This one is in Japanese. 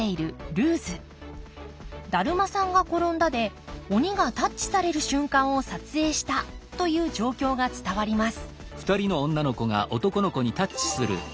「だるまさんがころんだ」で鬼がタッチされる瞬間を撮影したという状況が伝わります